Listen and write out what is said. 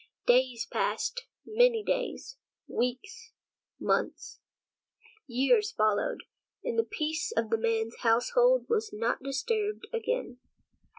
Days passed, many days; weeks, months, years followed, and the peace of the man's household was not disturbed again.